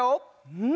うん。